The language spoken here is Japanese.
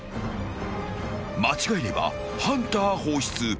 ［間違えればハンター放出。